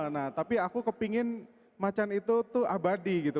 nah tapi aku kepingin macan itu tuh abadi gitu